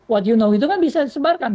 what you know itu kan bisa disebarkan